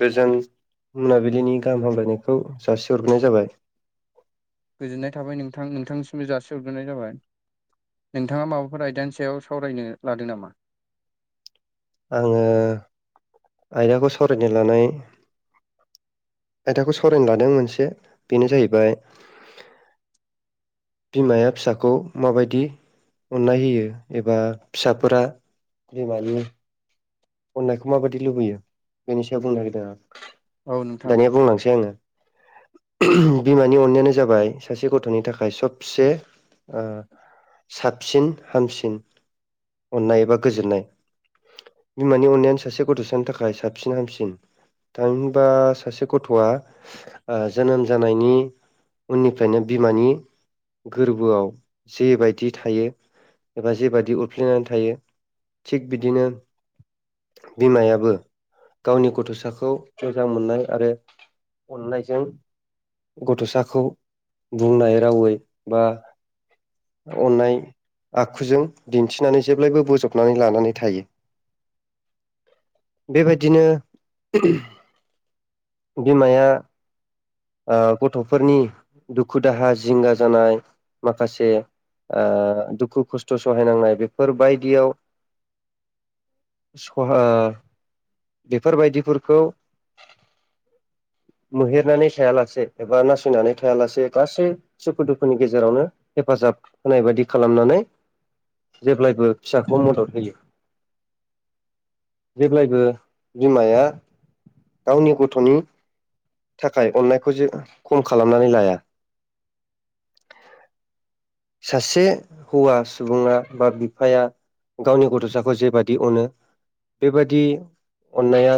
गोजोन मोनाबिलिनि गाहाम हामलायनायखौ जासिहरग्रोनाय जाबाय। आंबो जासि हरग्रोनाय जाबाय। नोंथाङा माबाफोर आयदानि सायाव सावरायनो लादों नामा? आङो आयदाखौ सावरायनो लानाय आयदाखौ सावरायनो लादों मोनसे बेनो जाहैबाय बिमाया फिसाखौ माबादि अननाय होयो एबा फिसाफोरा बिमानि अननायखौ माबादि लुबैयो बेनि सायाव बुंनो नागिरदों आं औ नोंथां दानिया बुंलांसै आङो। [inaudible] बिमानि अननायानो जाबाय सासे गथ'नि थाखाय सबसे ओ साबसिन हामसिन अननाय एबा गोजोननाय। बिमानि अननायानो सासे गथ'सानि थाखाय साबसिन हामसिन। थामहिबा सासे गथ'आ ओ जोनोम जानायनि उननिफ्रायनो बिमानि गोरबोआव जे बायदि थायो। एबा जेबायादि उरफ्लेनानै थायो थिग बिदिनो बिमायाबो गावनि गथ'साखौ मोजां मोननाय आरो अननायजों गथ'साखौ बुंनाय रावै बा अननाय आखुजों दिन्थिनानै जेब्लायबो बजबनानै लानानै थायो। बे बादिनो बिमाया ओ गथ'फोरनि दुखु दाहा जिंगा जानाय माखासे ओ दुखु खस्थ' सहायनांनाय बेफोर बायदियाव [inaudible] सहा बेफोर बायदिफोरखौ मोहेरनानै थाया लासे एबा नासयनानै थाया लासे गासै सुखु दुखुनि गेजेरावनो हेफाजाब होनाय बायदि बिदि खालामनानै जेब्लायबो फिसाखौ मदद होयो। जेब्लायबो बिमाया गावनि गथ'नि था खाय अननायखौ जे खम खालामनानै लाया। सासे हौवा सुबुङा बा बिफाया गावनि गथ'साखौ जे बादि अनो बेबादि अननाया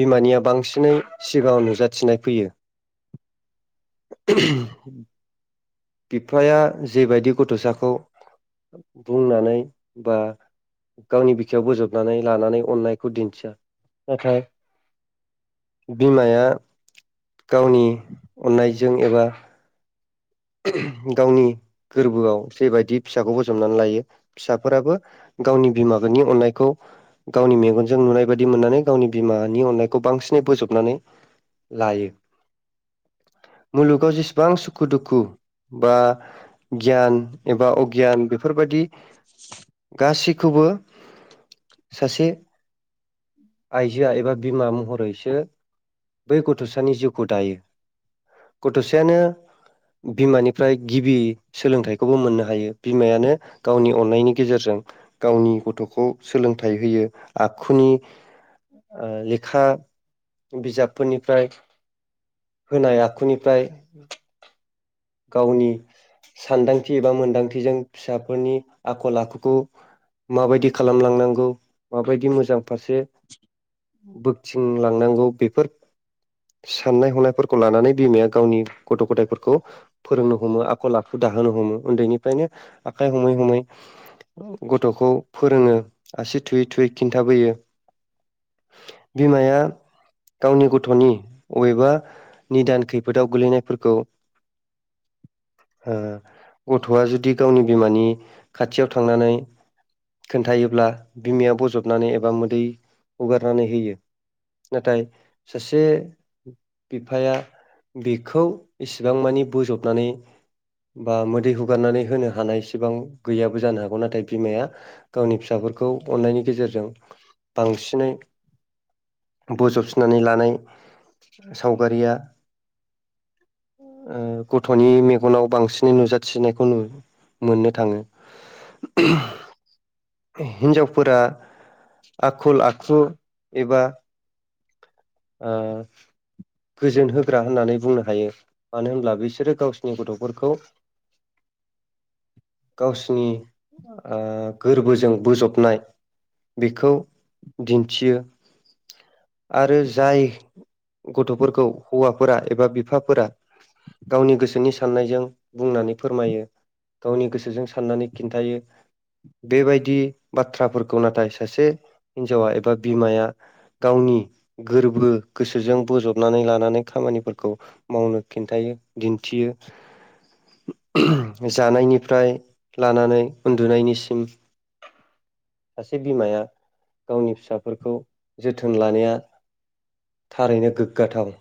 बिमानिया बांसिनै सिगाङाव नुजाथिनाय फैयो। [unintelligible] बिफाया जे बायदि गथ'साखौ बुंनानै बा गावनि बिखायाव बोजबनानै लानानै अननायखौ दिन्थिया नाथाय बिमाया गावनि अननायजों एबा गावनि गोरबोआव जे बायदि फिसाखौ बजबनानै लायो फिसाफोराबो गावनि बिमा बिानि अननायखौ गावनि मेगनजों नुनाय बायदि मोननानै गावनि बिमानि अननायखौ बांसि नै बोजबनानै लायो। मुलुगाव जेसेबां सुखु दु खु बा गियान एबा अगियान बेफोरबायदि गासैखौबो सासे आइजोआ एबा बिमा महरैसो बै गथ'सानि जिउखौ दायो गथ'सायानो बिमानिफ्राय गिबि सोलोंथाइखौबो मोननो हायो बिमायानो गावनि अन्नायनि गेजेरजों गावनि गथ'खौ सोलोंथाइ होयो आखुनि लेखा बिजाबफोरनिफ्राय होनाय आखुनिफ्राय गावनि सानदांथि एबा मोनदांथिजों फिसाफोरनि आखल आखुखौ माबायदि खालामलांनांगौ माबायदि मोजां फारसे थिनलांनांगौ बेफोर साननाय हनायफोरखौ लानानै बिमाया गावनि गथ' गथायफोरखौ फोरोंनो हमो आखल आखु दाहोनो हमो उन्दैनिफ्रायनो आखाइ हमै हमै गथ'खौ फोरोङो आसि थुयै थुयै खिन्थाबोयो बिमाया गावनि गथ'नि अबेबा निदान खैफोदाव गोलैनायफोरखौ [unintelligible] ओ गथ'आ जुदि गावनि बिमानि खाथियाव थांनानै खोन्थायोब्ला बिमाया बजबनानै एबा मोदै हुगारनानै होयो नाथाय सासे बिफाया बेखौ इसेबां मानि बोजबनानै बा मोदै हुगारनानै होनो हानाय इसिबां गैयाबो जानो हागौ नाथाय बिमाया गावनि फिसाखौ अननायनि गेजेरजों बांसिनै बजबफिनानै लानाय सावगारिया ओ [unintelligible] गथ'नि मेगनाव बांसिनै नुजाथिनायखौ नुनो मोननो थाङो । [unintelligible] हिन्जावफोरा आखल आखु एबा ओ गोजोन होग्रा होननानै बुंनो हायो मानो होनब्ला बे बिसोरो गावसिनि गथ'फोरखौ गावसिनि ओ गोरबोजों बोजबनाय बेखौ दिन्थियो आरो जाय गथ'फोरखौ हौवाफोरा एबा बिफाफोरा गावनि गोसोनि सान्नायजों बुंनानै फोरमायो। गावनि गोसोजों साननानै खिन्थायो। बेबायदि बाथ्राफोरखौ नाथाय सासे हिनजावा एबा बिमाया गावनि गोरबो गोसोजों बजबनानै लानानै खामानिफोरखौ मावनो खिन्थायो। दिन्थियो जानायनिफ्राय लानानै उन्दुनायनिसिम [unintelligible] सासे बिमाया गावनि फिसाफोरखौ जोथोन लानाया थारैनो गोग्गाथाव।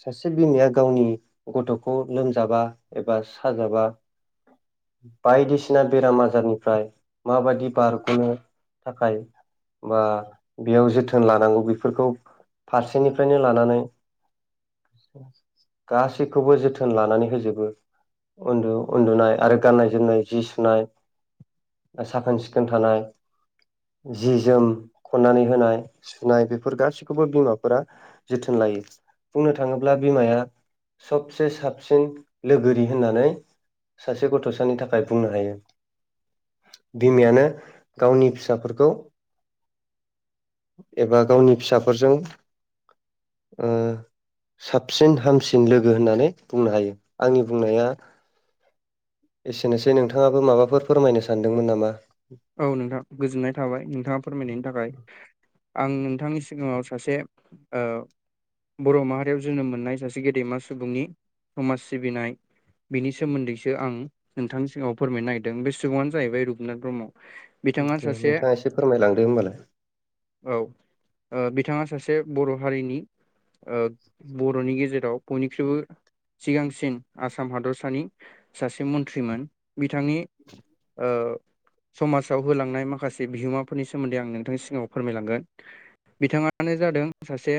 सासे बिमाया गावनि गथ'खौ लोमजाबा एबा साजाबा बायदिसिना बेराम आजारनिफ्राय माबायदि बारग'नो थाखाय बा बेयाव जोथोन लानांगौ बेफोरखौ फारसेनिफ्रायनो लानानै [unintelligible] गासैखौबो जोथोन लानानै होजोबो। उन्दु उन्दुनाय आरो गाननाय जोमनाय जि सुनाय साखोन सिखोन थानाय जि जोम खन्नानै होनाय सुनाय बेफोर गासैखौबो बिमाफोरा जोथोन लायो। बुंनो थाङोब्ला बिमाया सबसे साबसिन लोगोरि होननानै सासे गथ'सानि थाखाय बुंनो हायो। बिमायानो गावनि फिसाफोरखौ एबा गावनि फिसाफोरजों। ओ [inaudible] साबसिन हामसिन लोगो होननानै बुंनो हायो आंनि बुंनाया। एसेनोसै नोंथाङाबो माबाफोर फोरमायनो सानदोंमोन नामा? औ नोंथां गोजोननाय थाबाय नोंथांङा फोरमायनायनि थाखाय। आं नोंथांनि सिगांङाव सासे। बर माहारियाव जोनोम मोननाय सासे गेदेमा सुबुंनि समाज सिबिनाय। बिनि सोमोन्दैसो आं नोंथांनि सिगांङाव फोरमायनो नागिरदों बे सुबुंङानो जाहैबाय रुपनाथ ब्रह्म। बिथांङा दे सासे नोंथाङा एसे फोरमायलांदो होमबालाय औ। बिथांङा सासे बर हारिनि बरनि गेजेराव बयनिख्रुइबो। सिगांसिन आसाम हादरसानि सासे मन्त्रिमोन। बिथांनि ओ। समाजाव होलांनाय माखासे बिहोमाफोरनि सोमोन्दै आं नोंथांनि सिगांङाव फोरमायलांगोन। बिथांङानो जादों सासे।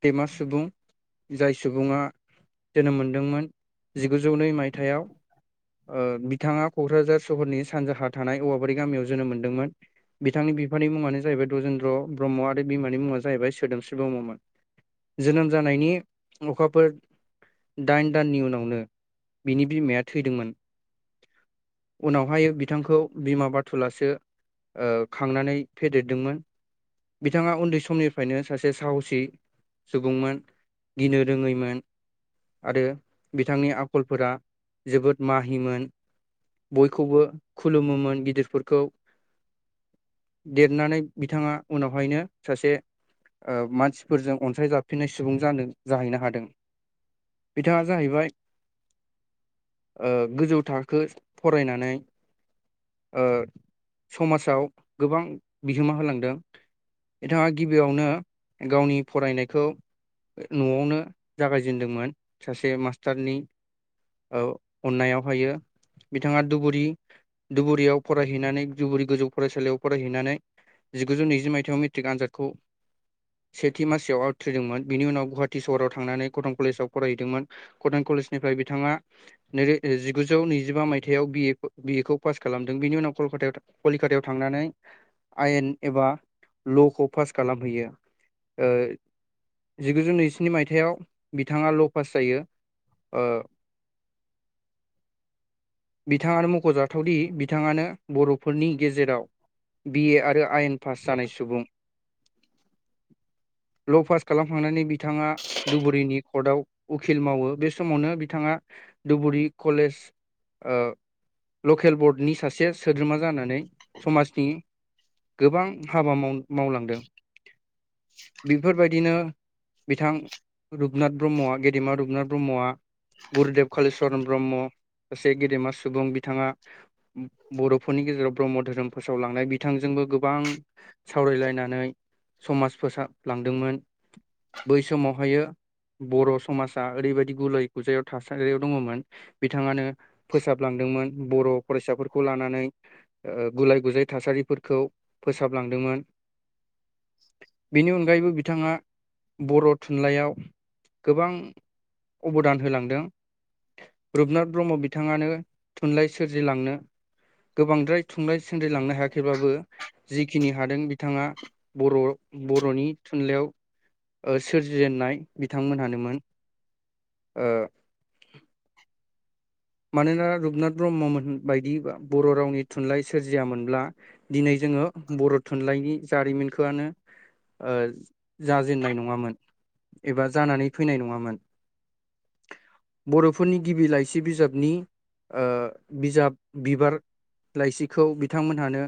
गेदेमा सुबुं। जाय सुबुंङा जोनोम मोनदोंमोन जिगुजौ नै मायथायाव। ओ बिथांङा कक्राझार सहरनि सानजाहा थानाय औवाबारि गामियाव जोनोम मोनदोंमोन बिथांनि बिफानि नि मुङानो जाहैबाय दजेन्द्र ब्रह्म आरो बिमानि मुङा जाहैबाय सोदोमस्रि ब्रह्ममोन। जोनोम जानायनि अखाफोर। दाइन दाननि उनावनो बिनि बिमाया थैदोंमोन। उनावहाय बिथांखौ बिमा बाथुलासो। ओ खांनानै फेदेरदोंमोन। बिथांङा उन्दै समनिफ्रायनो सासे साहसि। सुबुंमोन गिनो रोंङैमोन। आरो बिथांनि आखलफोरा जोबोद माहिमोन बयखौबो खुलुमोमोन गिदिरफोरखौ। देरनानै बिथांङा उनावहायनो सासे मानसिफोरजों अनसाय जाफिननाय सुबुं जादों जाहैनो हादों। बिथांङा जाहैबाय। गोजौ थाखो फरायनानै समाजाव गोबां बिहोमा होलांदों। बिथांङा गिबियावनो गावनि फरायनायखौ नआवनो जागायजेेनदोंमोन सासे मास्टारनि अन्नायाव हायो बिथाङा धुबुरि धुबुरियाव फरायहैनानै धुबुरि गोजौ फरायसालियाव फरायहैनानै जिगुजौ नैजि मायथाइाव मेट्रिक आनजादखौ सेथि मासिआव आवथ्रिदोंमोन बिनि उनाव गुवाहाटी सहराव थांनानै कटन कलेजाव फरायहैदोंमोन कटन कलेजनिफ्राय बिथांङा जिगुजौ नैजिबा मायथायाव बि ए खौ पास खालामदों बेनि उनाव कलकातायाव कलिक कलकातायाव थांनानै आयेन एबा लखौ पास खालामहैयो। ओ जिगुजौ नैजिस्नि मायथायाव। बिथाङा ल पास जायो। बिथांङानो मखजाथावदि बिथांङानो बरफोरनि। गेजेराव बि ए आरो आइेन पास जानाय सुबुं। [inaudible] ल पास खालामखांनानै बिथांङा धुबुरिनि कर्टआव उखिल मावो बे समावनो बिथांङा। धुबुरि कलेज ओ लकेल बर्डनि सासे सोद्रोमा जानानै समाजनि। गोबां हाबा माव मावलांदों। बेफोरबायदिनो बिथां रुपनाथ ब्रह्मआ गेदेमा रुपनाथ ब्रह्मआ। गुरुदेब कालिचरन ब्रह्म सासे गेदेमा सुबुं बिथाङा बर'फोरनि गेजेराव ब्रह्म धोरोम फोसावलांनाय बिथांजोंबो गोबां सावरायलायनानै समाज फोसाबलांदोंमोन। बै समावहायो बर' समाजा ओरैबायदि गुलाय गुजायायाव थासारियाव दङमोन बिथाङानो फोसाबलांदोंमोन बर' फरायसाफोरखौ लानानै गुलाय गुजाय थासारिफोरखौ फोसाबलांदोंमोन। बेनि अनगायैबो बिथाङा बर' थुनलाइयाव गोबां अबदान होलांदों। रुपनाथ ब्रह्म बिथाङानो थुनलाइ सोरजिलांनो गोबांद्राय थुनलाइ सद्रिलांनो हायाखैबाबो जिखिनि हादों बिथाङा बर' बर'नि थुनलाइयाव सोरजिजेनन्नाय बिथांमोनहानोमोन ओ मानोना रुपनाथ ब्रह्ममोन बायदि बर' रावनि थुनलाइ सोरजियामोनब्ला दिनै जों ङो बर' थुनलाइनि जारिमिनखोआनो ओ जा जेनाय नङामोन एबा जानानै फैनाय नङामोन। बर'फोरनि गिबि लाइसि बिजाब नि ओ बिजाब बिबार लाइसिखौ बिथांमोनहानो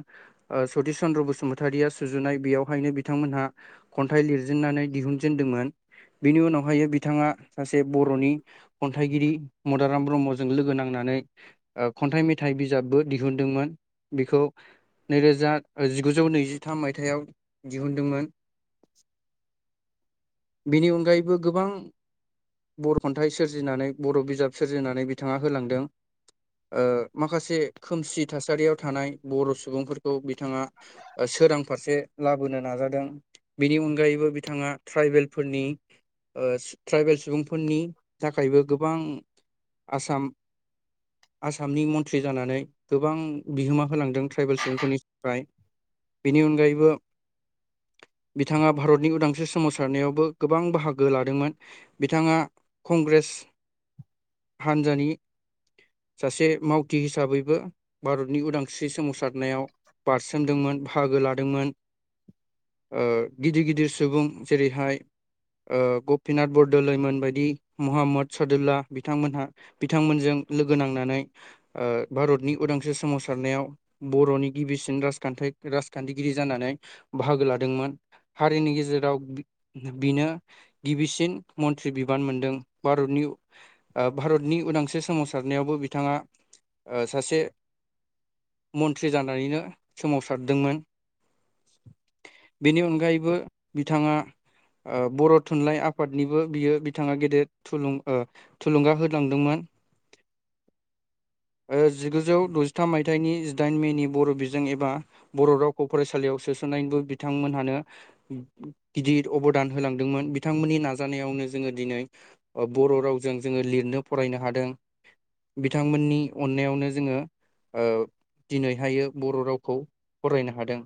सतिस चन्द्र बसुमतारिया सुजुनाय बेयावहायनो बिथांमोनहा खन्थाइ लिरजेननानै दिहुनजेनदोंमोन बिनि उनावहाय बिथाङा सासे बर'नि खन्थाइगिरि मदाराम ब्रह्मज जों लोगो नांनानै खन्थाइ मेथाइ बिजाबबो दिहुनदोंमोन ।बेखौ नैरोजा जिगुजौ नैजिथाम मायथाइयाव दिहुनदोंमोन। [inaudible] बेनि अनगायैबो गोबां बर' खन्थाइ सोरजिनानै बर' बिजाब सोरजिनानै बिथाङा होलांदों। ओ माखासे खोमसि थासारियाव थानाय बर' सुबुंफोरखौ बिथाङा ओ सोरां फारसे लाबोनो नाजादों बेनि अनगायैबो बिथाङा ट्राइबेलफोरनि ट्राइबेल सुबुंफोरनि थाखायबो गोबां आसाम आसामनि मन्थ्रि जानानै गोबां बिहोमा होलांदों ट्राइबेल सुबुंफोरनि थाखाय बेनि अनगायैबो बिथाङा भारतनि उदांस्रि सोमावसारनायावबो गोबां बाहागो लादोंमोन बिथाङा कंग्रेस हानजानि सासे मावथि हिसाबैबो भारतनि उदांस्रि सोमावसारनायाव बारसोमदोंमोन बाहागो लादोंमोन। ओ गिदिर गिदिर सुबुं जेरैहाय ओ गपिनाथ बरद'लैमोन बायदि महाममद सादुलला बिथांमोनहा बिथांमोनजों लोगो नांनानै ओ भारतनि उदांस्रि सोमावसारनायाव बर'नि गिबिसिन राजखान्थाय राजखान्थिगिरि जानानै बाहागो लादोंमोन। हारिनि गेजेराव बिनो गिबिसिन मन्त्रि बिबान मोनदों भारतनि ओ भारतनि उदांस्रि सोमावसारनायावबो बिथाङा ओ सासे मन्थ्रि जानानैनो सोमावसारदोंमोन बेनि अनगायैबो बिथाङा ओ बर' थुनलाइ आफादनिबो बियो बिथाङा गेदेर थुलुं ओ थुलुंगा होलांदोंमोन जिगुजौ द'जिथाम मायथाइनि जिदाइन मेनि बर' बिजों एबा बर' रावखौ फरायसालियाव स सोसननायनिबो बिथांमोनहानो गिदिर अबदान होलांदोंमोन बिथांमोननि नाजानायावनो जोङो दिनै बर' रावजों जोङो लिरनो फरायनो हादों बिथांमोननि अननायावनो जोङो दिनैहाय बर' रावखौ फरायनो हादों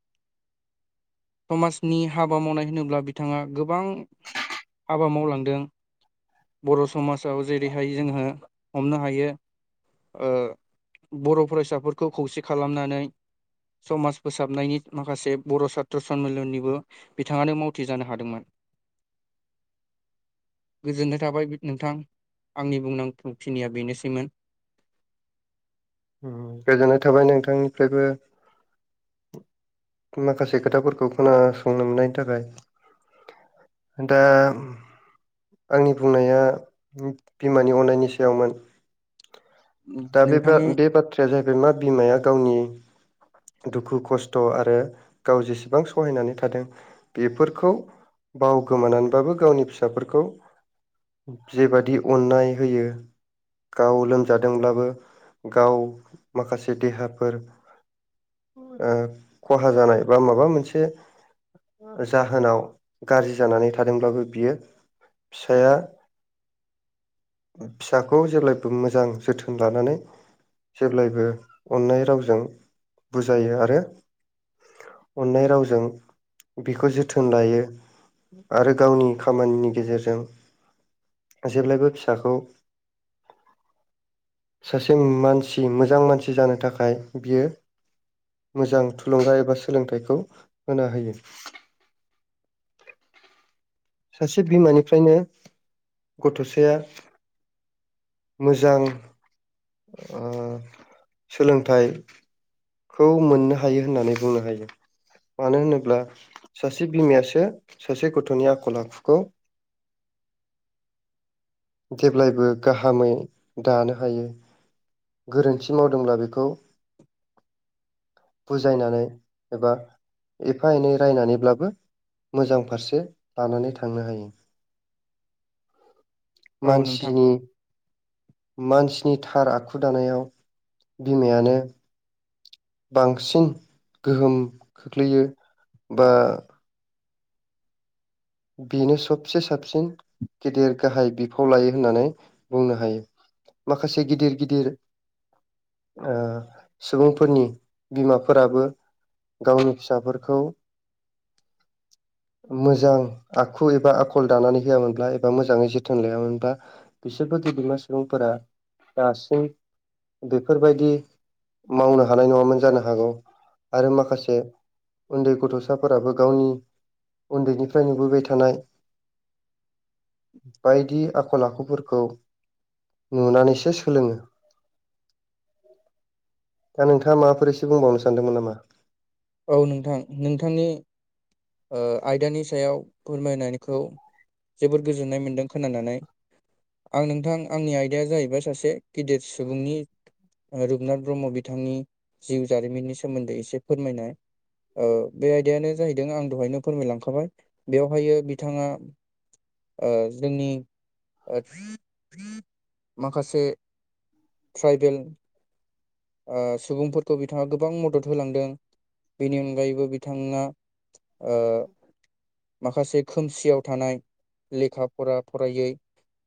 [inaudible] समाजनि हाबा मावनाय होनोब्ला बिथाङा गोबां हाबा मावलांदों बर' समाजाव जेरैहाय जोङो हमनो हायो । बर' फरायसाफोरखौ खौसे खालामनानै । समाज फोसाबनायनि माखासे बर' सात्र सनमिलननिबो बिथाङानो मावथि जानो हादोंमोन। [inaudible] गोजोन्नाय थाबाय नोंथां आंनि बुंनांगौखिनिया बेनोसैमोन । [inaudible] गोजोननाय थाबाय नोंथांनिफ्रायबो माखासे खोथाफोरखौ खोनासंनो मोननायनि थाखाय ए दा आंनि बुंनाया बिमानि अन्नायनि सायावमोन दा बे नोंथांनि बाथ्राया जाहैबाय मा बिमाया गावनि [inaudible] दुखु खस्थ' आरो गाव जेसेबां सहायनानै थादों बेफोरखौ बाव गोमानानैबाबो गावनि फिसाफोरखौ जेबादि अन्नाय होयो गाव लोमजादों जादोंब्लाबो गाव माखासे देहाफोर खहा जानाय बा माबा मोनसे जाहोनाव गाज्रि जानानै थादोंब्लाबो बियो फिसाया फिसाखौ जेबब्लाबो मोजां जोथोन लानानै जेब्लायबो अन्नाय रावजों बुजायो आरो अन्नाय रावजों बेखौ जोथोन लायो आरो गावनि खामानिनि गेजेरजों जेब्लायबो फिसाखौ सासे मानसि मोजां मानसि जानो थाखाय बियो मोजां थुलुंगा एबा सोलोंथाइखौ होना होयो [inaudible] सासे बिमानिफ्रायनो गथ'साया मोजां सोलोंथाइ खौ मोननो हायो होननानै बुंनो हायो । मानो होनोब्ला सासे बिमायासो सासे गथ'नि आखल आखुखौ [inaudible] जेब्लायबो गाहामै दानो हायो गोरोन्थि मावदोंब्ला बेखौ । बुजायनानै एबा एफा एनै रायनानैब्लाबो । मोजां फारसे लानानै थांनो हायो । [inaudible] नोंथां मानसिनि । मानसिनि थार आखु दानायाव बिमायानो । बांसिन गोहोम खोख्लैयो बा बेनो सबसे साबसिन । गेदेर गाहाय बिफाव लायो होननानै बुंनो हायो । माखासे गिदिर गिदिर । ओ सुबुंफोरनि बिमाफोराबो गावनि फिसाफोरखौ मोजां आखु एबा आखल दानानै होआमोनब्ला एबा मोजाङै जोथोन लायामोनब्ला बिसोरबो गेदेमा सुबुंफोरा दासिम बेफोरबायदि मावनो हानाय नङामोन जानो हागौ आरो माखासे उन्दै गथ'साफोराबो गावनि उन्दैनिफ्राय नुबोबाय थानाय। बायदि आखल आखुफोरखौ नुनानैसो सोलोङो। [inaudible] दा नोंथाङा माबाफोर एसे बुंबावनो सानदोंमोन नामा। औ नोंथां नोंथांनि आयदानि सायाव फोरमायनायखौ जोबोर गोजोननाय मोन्दों खोनानानै आं नोंथां आंनि आयदाया जाहैबाय सासे गिदिर सुबुंनि रुपनाथ ब्रह्म बिथांनि जिउ जारिमिननि सोमोन्दै एसे फोरमायनाय। बे आयदायानो जाहैदों आं दहायनो फोरमायलांखाबाय बेवहाय बिथाङा। जोंनि माखासे। ट्राइबेल। सुबुंफोरखौ बिथाङा गोबां मदद होलांदों। बेनि अनगायैबो बिथाङा। माखासे खोमसियाव थानाय लेखा फरा फरायै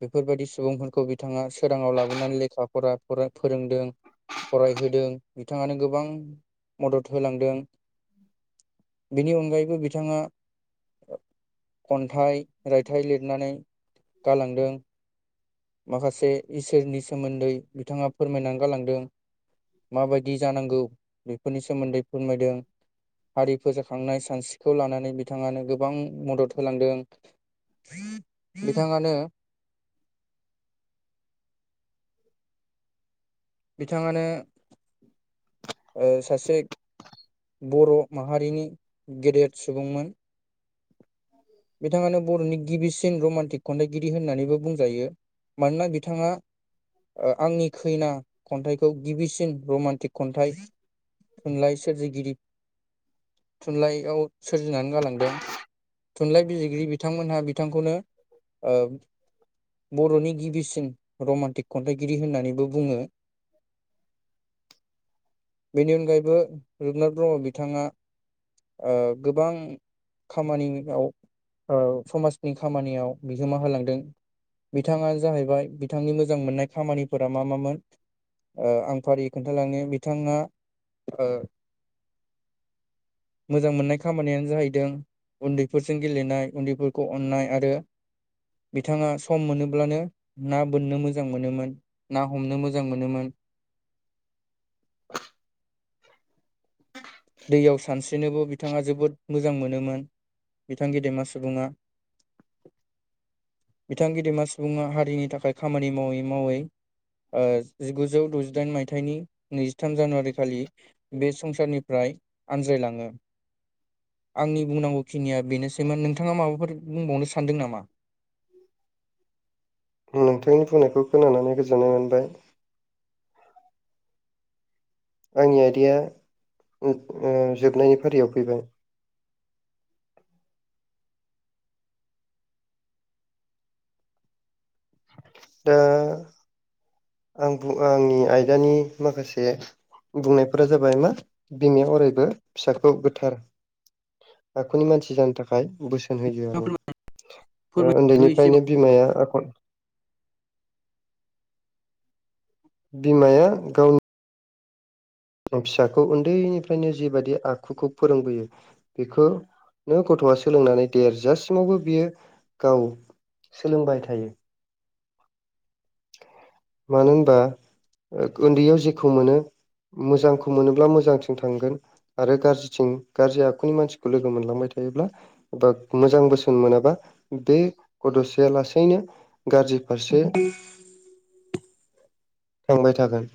बेफोर बायदि सुबुंफोरखौ बिथाङा सोराङाव लाबोनानै लेखा फरा फोरोंदों। फरायहोदों बिथाङानो गोबां मदद होलांदों। [inaudible] बिनि अनगायैबो बिथाङा खन्थाइ रायथाइ लिरनानै गालांदों। माखासे इसोरनि सोमोन्दै बिथाङा फोरमायनानै गालांदों। मा बायदि जानांगौ बेफोरनि सोमोन्दै फोरमायदों। हारि फोजाखांनाय सानस्रिखौ लानानै बिथाङानो गोबां मदर होलांदों। बिथाङानो। बिथाङानो। [inaudible] सासे बर' माहारिनि गेदेर सुबुंमोन। बिथाङानो बर'नि गिबिसिन रमान्टिक। खन्थाइगिरि होननानैबो बुंजायो मानोना बिथाङा। आंनि खैना खन्थाइखौ गिबिसिन रमान्टिक खन्थाइ। थुनलाइ सोरजिगिरि थुनलाइयाव सोरजिनानै गालांनाय। थुनलाइ बिजिरगिरि बिथांमोनहा बिथांखौनो बर'नि गिबिसिन रमान्टिक खन्थाइगिरि होननानैबो बुङो। [inaudible] बेनि अनगायैबो रुपनाथ ब्रह्म बिथाङा गोबां खामानियाव समाजनि खामानियाव बिहोमा होलांदों। बिथाङानो जाहैबाय बिथांनि मोजां मोननाय खामानिफोरा मा मामोन। आं फारियै खोन्थालाङो बिथाङा मोजां मोननाय खामानियानो जाहैदों। उन्दैफोरजों गेलेनाय उन्दैफोरखौ अननाय आरो बिथाङा सम मोनोब्लानो ना बोननो मोजां मोनोमोन ना हमनो मोजां मोनोमोन। [inaudible] [inaudible] दैयाव सानस्रिनोबो बिथाङा जोबोद मोजां मोनोमोन बिथां गेदेमा सुबुङा। बिथां गेदेमा सुबुङा हारिनि थाखाय खामानि मावै मावै जिगुजौ द'जिदाइन मायथाइनि नैजिथाम जानुवारि खालि बे संसारनि फाय आनज्राय लाङो। आंनि बुंनांगौ खिनिया बेनोसैमोन नोंथाङा माबाफोर बुंबावनो सानदों नामा। नोंथांनि बुंनायखौ खोनानानै गोजोननाय मोनबाय। आंनि आइदाया जोबनायनि फारियाव फैबाय [inaudible] दा आं बुं आंनि आयदानि माखासे बुंनायफोरा जाबाय मा बिमाया अरायबो फिसाखौ गोथार आखुनि मानसि जानो थाखाय बोसो थोन होयो आरो फोरमायदो एसेबाबो उन्दैनिफ्रायनो बिमाया आखल बिमाया गावनि फिसाखौ उन्दैनिफ्रायनो जिेबायदि आखुखौ फोरोंबोयो बेखौ नो गथ आ सोलोंनानै देरजासिमावबो बियो गाव सोलोंबाय थायो मानो होनबा उन्दैयाव जेखौ मोनो मोजांखौ मोनोब्ला मोजांथिं थांगोन आरो गाज्रिथिं गाज्रि आखुनि मानसिखौ लोगो मोनलांबाय थागोन मोजां बोसोन मोना बे गथसाया लाैनो गारजि ारसे थांबाय थागोन।